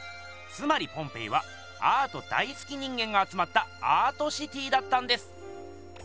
つまりポンペイはアート大すき人間があつまったアートシティーだったんです！